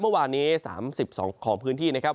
เมื่อวานนี้๓๒ของพื้นที่นะครับ